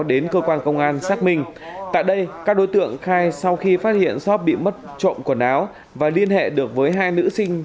và công an xác minh tại đây các đối tượng khai sau khi phát hiện shop bị mất trộm quần áo và liên hệ được với hai nữ sinh